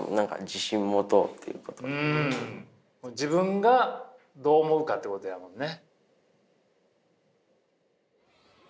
自分がどう思うかということやもんね。